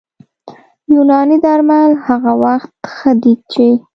یوناني درمل هغه وخت ښه دي چې